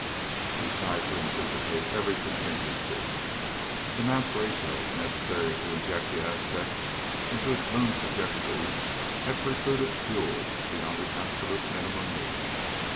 He tried to anticipate every contingency. The mass ratio necessary to inject the Aztec into its moon trajectory had precluded fuel beyond the absolute minimum needed.